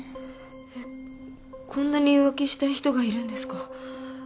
えっこんなに浮気したい人がいるんですか？